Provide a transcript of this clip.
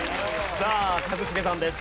さあ一茂さんです。